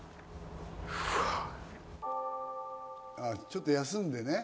ちょっと休んでね。